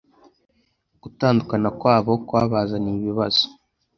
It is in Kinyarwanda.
gutandukana kwabo kwabazaniye ibibazo